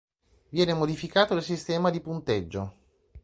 Viene modificato il sistema di punteggio.